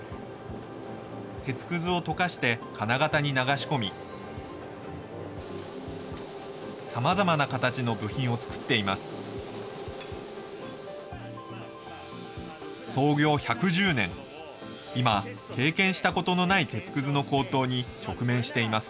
鉄くずを溶かして金型に流し込み、さまざまな形の部品を作っています。